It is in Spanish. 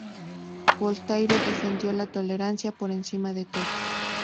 Voltaire defendió la tolerancia por encima de todo.